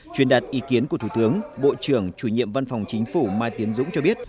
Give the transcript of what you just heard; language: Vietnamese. truyền đạt ý kiến của thủ tướng bộ trưởng chủ nhiệm văn phòng chính phủ mai tiến dũng cho biết